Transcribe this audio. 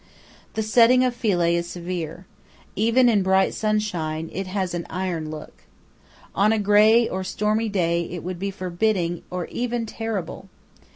The setting of Philae is severe. Even in bright sunshine it has an iron look. On a grey or stormy day it would be forbidding or even terrible.